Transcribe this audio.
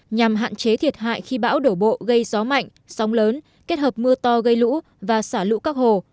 nhằm hạn chế thiệt hại khi bão đổ bộ gây gió mạnh sóng lớn kết hợp mưa to gây lũ và xả lũ các hồ